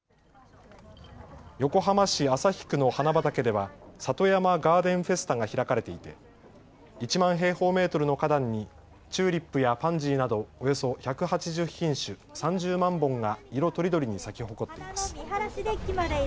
横浜市旭区の花畑では、里山ガーデンフェスタが開かれていて、１万平方メートルの花壇に、チューリップやパンジーなど、およそ１８０品種、３０万本が色とりどりに咲き誇っています。